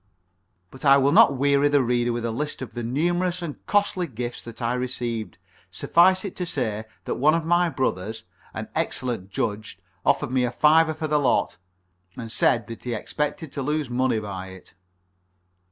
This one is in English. But I will not weary the reader with a list of the numerous and costly gifts that I received. Suffice it to say that one of my brothers, an excellent judge, offered me a fiver for the lot, and said that he expected to lose money by it.